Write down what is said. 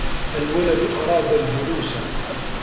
الْوَلَدُ أَرَادَ الْجُلُوسَ.